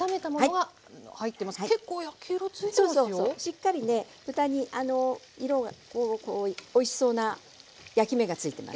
しっかりね豚においしそうな焼き目がついてます。